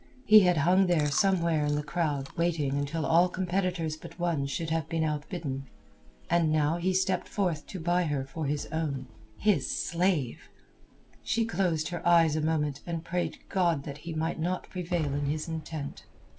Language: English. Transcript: He had hung there somewhere in the crowd waiting until all competitors but one should have been outbidden, and now he stepped forth to buy her for his own—his slave! She closed her eyes a moment and prayed God that he might not prevail in his intent.